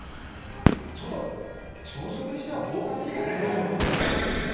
ちょっと朝食にしては豪華すぎない？